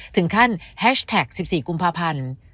ถึงขั้นแฮชแท็ก๑๔กุมภาพันธ์